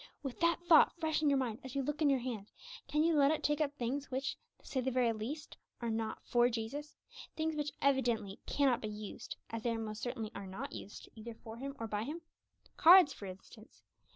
With that thought fresh in your mind as you look at your hand, can you let it take up things which, to say the very least, are not 'for Jesus'? things which evidently cannot be used, as they most certainly are not used, either for Him or by Him? Cards, for instance!